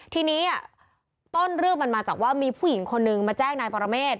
ทีนี้ต้นเรื่องมันมาจากว่ามีผู้หญิงคนนึงมาแจ้งนายปรเมฆ